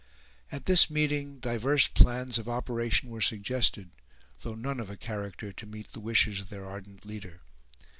At this meeting divers plans of operation were suggested, though none of a character to meet the wishes of their ardent leader.